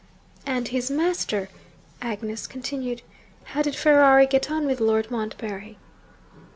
'And his master?' Agnes continued. 'How did Ferrari get on with Lord Montbarry?'